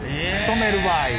染める場合。